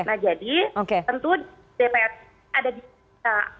nah jadi tentu dpr ada di kita